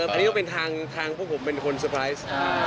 อันนี้ก็เป็นทางพวกผมเป็นคนเตอร์ไพรส์